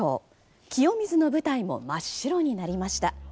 清水の舞台も真っ白になりました。